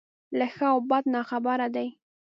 له ښه او بده ناخبره دی.